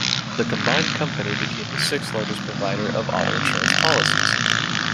The combined company became the sixth-largest provider of auto insurance policies.